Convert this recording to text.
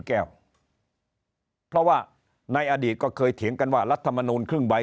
แก้วเพราะว่าในอดีตก็เคยเถียงกันว่ารัฐมนูลครึ่งใบ